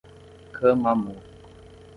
Camamu